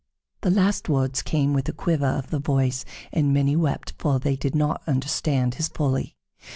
The last words came with a quiver of the voice, and many wept, for they did not understand his folly.